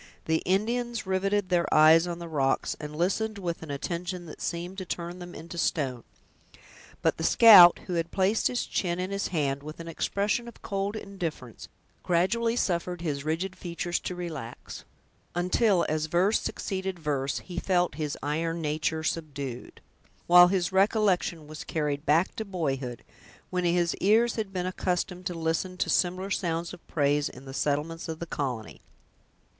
The Indians riveted their eyes on the rocks, and listened with an attention that seemed to turn them into stone. But the scout, who had placed his chin in his hand, with an expression of cold indifference, gradually suffered his rigid features to relax, until, as verse succeeded verse, he felt his iron nature subdued, while his recollection was carried back to boyhood, when his ears had been accustomed to listen to similar sounds of praise, in the settlements of the colony.